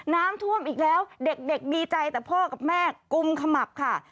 น้ำท่วมอีกแล้วเด็กดีใจแต่พ่อกับแม่กุมขมับค่ะ